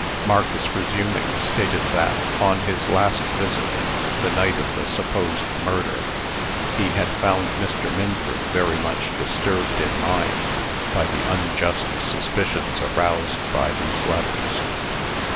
Marcus, resuming, stated that, on his last visit the night of the supposed murder he had found Mr. Minford very much disturbed in mind by the unjust suspicions aroused by these letters.